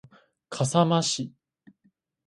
笠間市